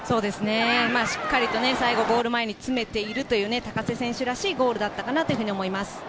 しっかり最後、ゴール前に詰めているという高瀬選手らしいゴールだったと思います。